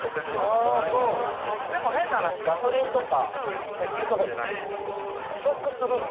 最近でも変な話ガソリンとか石油とかじゃないのに不足するの？